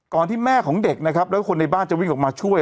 ที่แม่ของเด็กนะครับแล้วก็คนในบ้านจะวิ่งออกมาช่วย